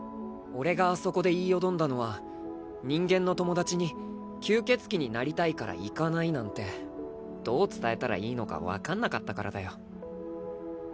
俺があそこで言いよどんだのは人間の友達に吸血鬼になりたいから行かないなんてどう伝えたらいいのか分かんなかったからだよ。